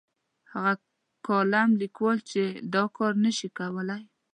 هغه کالم لیکوال چې دا کار نه شي کولای.